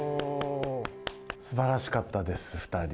すばらしかったです２人。